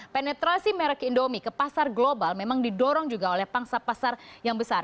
penetrasi merek indomie ke pasar global memang didorong juga oleh pangsa pasar yang besar